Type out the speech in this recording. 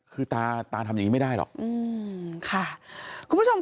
คือตาตาทำอย่างนี้ไม่ได้หรอก